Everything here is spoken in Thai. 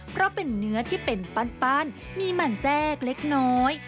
เพราะเป็นเนื้อที่เป็นปั้นมีหมั่นแทรกเล็กน้อย